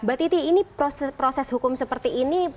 mbak titi ini proses hukum seperti ini